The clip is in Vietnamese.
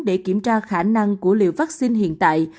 để kiểm tra khả năng của liều vaccine hiện tại